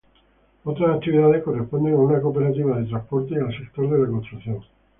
Otras actividades corresponden a una cooperativa de transportes y al sector de la construcción.